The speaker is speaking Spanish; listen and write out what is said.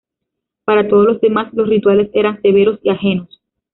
Para todos los demás, los rituales eran severos y ajenos.